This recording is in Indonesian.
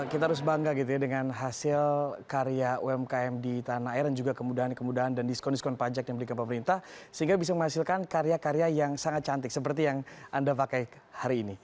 kita harus bangga gitu ya dengan hasil karya umkm di tanah air dan juga kemudahan kemudahan dan diskon diskon pajak yang belikan pemerintah sehingga bisa menghasilkan karya karya yang sangat cantik seperti yang anda pakai hari ini